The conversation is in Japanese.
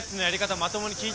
まともに聞いてたら。